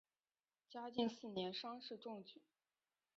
嘉靖四年乡试中举。